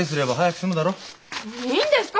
いいんですか？